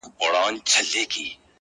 چي هر څه یم په دنیا کي ګرځېدلی.!